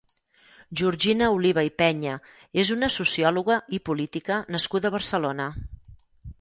Georgina Oliva i Peña és una sociòloga i política nascuda a Barcelona.